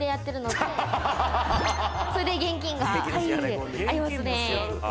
それで現金がありますね。